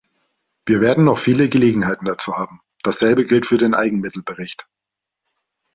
Wir werden noch viele Gelegenheiten dazu haben, dasselbe gilt für den Eigenmittelbericht.